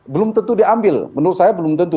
belum tentu diambil menurut saya belum tentu